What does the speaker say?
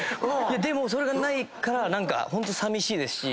でもそれがないからホントさみしいですし。